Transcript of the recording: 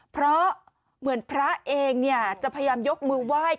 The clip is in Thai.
เพราะเหมือนพระเองจะพยายามยกมือไหว้